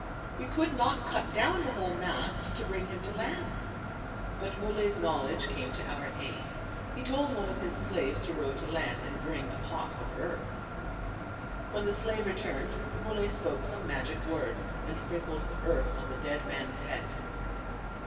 We could not cut down the whole mast to bring him to land. But Muley's knowledge came to our aid. He told one of his slaves to row to land, and bring a pot of earth. When the slave returned, Muley spoke some magic words, and sprinkled the earth on the dead man's head.